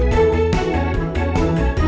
kalian belok kiri aja ya